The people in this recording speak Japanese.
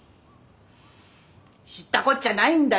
知ったこっちゃないんだよ